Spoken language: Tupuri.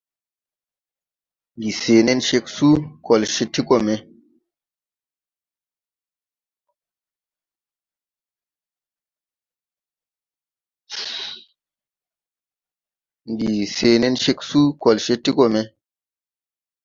Ndi sèe nen ceg suu, kol cee ti go me.